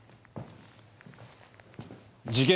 事件